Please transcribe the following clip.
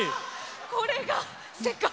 これが世界。